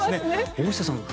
大下さん